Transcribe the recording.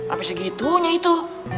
apa segitunya itu